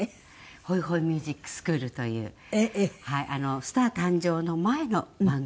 『ホイホイ・ミュージック・スクール』という『スター誕生！』の前の番組。